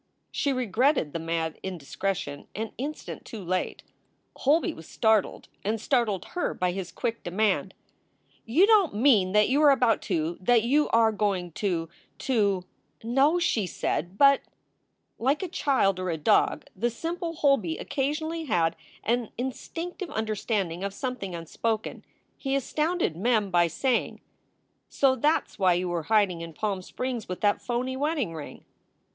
She regretted the mad indiscretion an instant too late. Holby was startled, and startled her by his quick demand. "You don t mean that you are about to that you are going to to " "No," she said, "but" Like a child or a dog, the simple Holby occasionally had an instinctive understanding of something unspoken. He astounded Mem by saying: "So that s why you were hiding in Palm Springs, with that phony wedding ring."